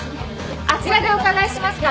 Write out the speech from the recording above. あちらでお伺いしますから。